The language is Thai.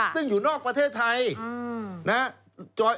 ซึ่งอยู่นอกประเทศไทย